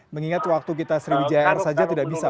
mengingat waktu kita seribu jir saja tidak bisa pak